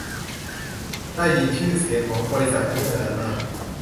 ได้ยินชื่อเสียงของบริษัทนี้มานานมาก